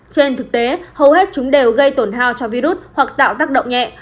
trên thực tế hầu hết chúng đều gây tổn hào cho virus hoặc tạo tác động nhẹ